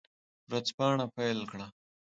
ورځپاڼه پیل کړه.